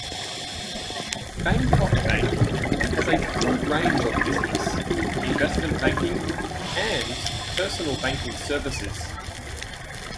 Bangkok Bank has a full range of business, investment banking and personal banking services.